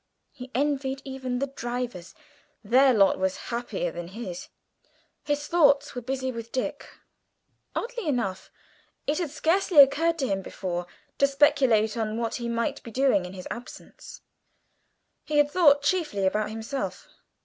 He envied even the drivers; their lot was happier than his! His thoughts were busy with Dick. Oddly enough, it had scarcely occurred to him before to speculate on what he might be doing in his absence; he had thought chiefly about himself.